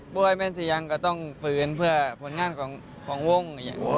เบอยแม่นสียังก็ต้องฟื้นเพื่อผมงานของวง